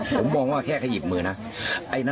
ผมมองว่าแค่ขยิบมือนะ